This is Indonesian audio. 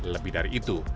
lebih dari itu